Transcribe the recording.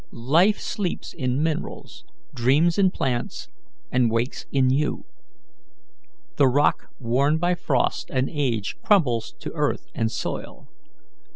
Life sleeps in minerals, dreams in plants, and wakes in you. The rock worn by frost and age crumbles to earth and soil.